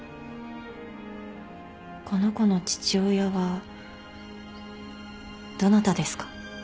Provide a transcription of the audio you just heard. この子の父親はどなたですか？